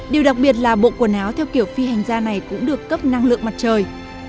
điều đặc biệt là bộ quần áo theo kiểu phi hành gia này cũng được cấp năng lượng mặt trời